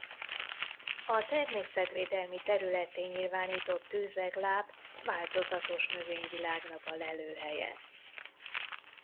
A természetvédelmi területté nyilvánított tőzegláp változatos növényvilágnak a lelőhelye.